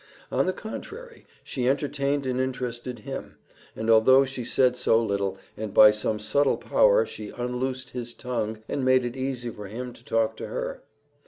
On the contrary she entertained and interested him, although she said so little, and by some subtle power she unloosed his tongue and made it easy for him to talk to her.